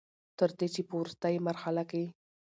تر دې چې په ورورستۍ مرحله کښې